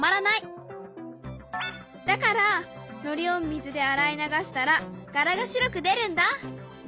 だからのりを水であらい流したら柄が白く出るんだ！